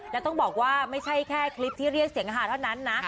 แล้วต้องบอกว่าไม่ใช่แค่คลิปที่เรียกเสียงหาเท่านั้นนะ